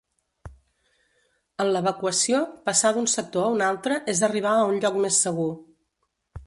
En l'evacuació, passar d'un sector a un altre, és arribar a un lloc més segur.